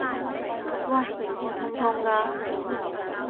喂！我痛痛㗎！